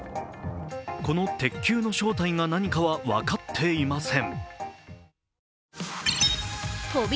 この鉄球の正体が何かは分かっていません。